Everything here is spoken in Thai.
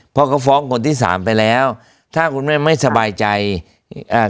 เพราะเขาฟ้องคนที่สามไปแล้วถ้าคุณแม่ไม่สบายใจอ่า